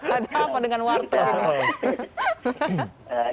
ada apa dengan warteg